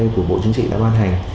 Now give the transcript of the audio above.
của bộ chính trị đã ban hành